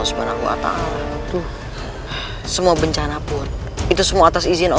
kisah nabi sebenarnya kamu siapa